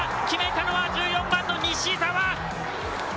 決めたのは１４番の西澤。